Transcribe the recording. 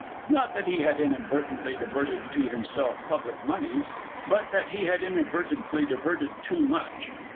Not that he had inadvertently diverted to himself public moneys, but that he had inadvertently diverted too much.